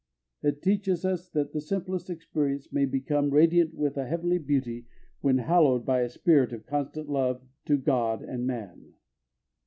It teaches that the simplest experience may become radiant with a heavenly beauty when hallowed by a spirit of constant love to God and man.